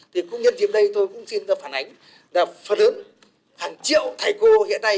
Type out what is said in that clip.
thì công nhân diễm đây tôi cũng xin phản ánh là phần hướng hàng triệu thầy cô hiện nay